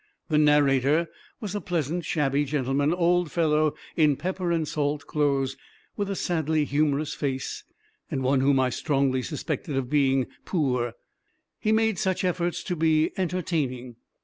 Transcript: The narrator was a pleasant, shabby, gentlemanly old fellow in pepper and salt clothes, with a sadly humorous face; and one whom I strongly suspected of being poor he made such efforts to be entertaining.